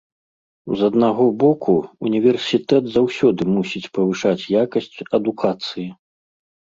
З аднаго боку, універсітэт заўсёды мусіць павышаць якасць адукацыі.